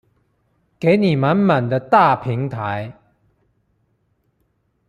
給你滿滿的大平台